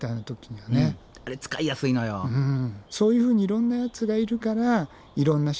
うん。